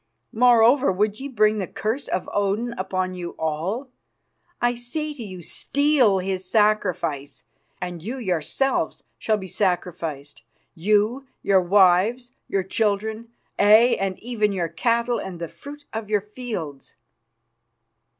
Moreover, would ye bring the curse of Odin upon you all? I say to you steal his sacrifice, and you yourselves shall be sacrificed, you, your wives, your children, aye, and even your cattle and the fruit of your fields."